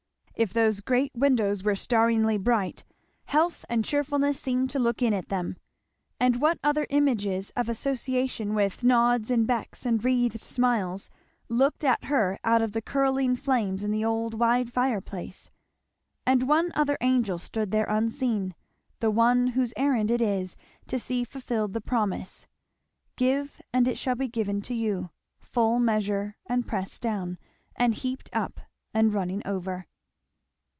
If those great windows were staringly bright, health and cheerfulness seemed to look in at them. And what other images of association, with "nods and becks and wreathed smiles," looked at her out of the curling flames in the old wide fireplace! And one other angel stood there unseen, the one whose errand it is to see fulfilled the promise, "Give and it shall be given to you; full measure, and pressed down, and heaped up, and running over."